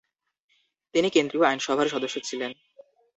তিনি কেন্দ্রীয় আইনসভার সদস্য ছিলেন।